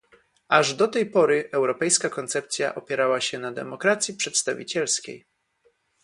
Aż do tej pory europejska koncepcja opierała się na demokracji przedstawicielskiej